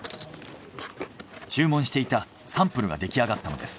注文していたサンプルが出来上がったのです。